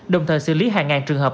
đồng thời xử lý hàng ngàn trường hợp